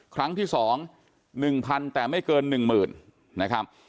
ครั้งที่๒๑๐๐๐แต่ไม่เกิน๑๐๐๐นะครับ